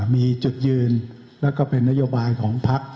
มีจุดยืนแล้วก็เป็นนโยบายของพัก